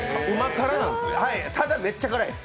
ただ、めっちゃ辛いです！